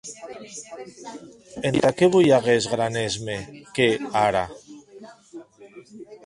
Entà qué voi aguest gran èsme qu’è ara?